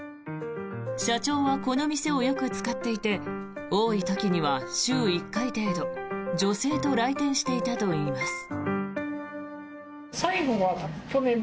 社長はこの店をよく使っていて多い時には週１回程度女性と来店していたといいます。